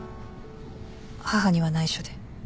母には内緒で。